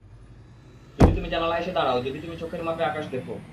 যদি তুমি জানালায় এসে দাঁড়াও, যদি তুমি চোখের মাপে আকাশ দেখো।